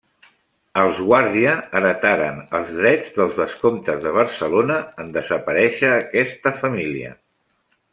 Els Guàrdia heretaren els drets dels vescomtes de Barcelona en desaparèixer aquesta família.